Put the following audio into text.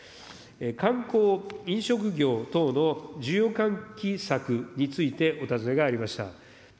観光、飲食業等の需要喚起策についてお尋ねがありました。